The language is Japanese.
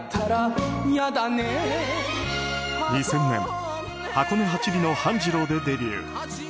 ２０００年「箱根八里の半次郎」でデビュー。